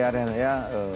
saya terserang ya